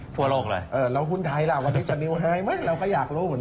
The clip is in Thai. ทั่วโลกเลย